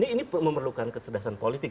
ini memerlukan kecerdasan politik